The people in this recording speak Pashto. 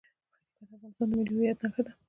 پکتیکا د افغانستان د ملي هویت نښه ده.